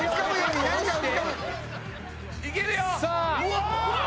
行けるよ！